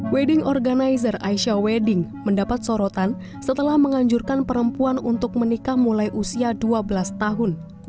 wedding organizer aisyah wedding mendapat sorotan setelah menganjurkan perempuan untuk menikah mulai usia dua belas tahun